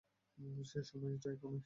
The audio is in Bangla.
সেই সময়টা এখনই।